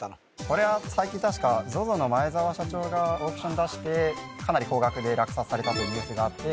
これは最近確かＺＯＺＯの前澤社長がオークションに出してかなり高額で落札されたとニュースがあって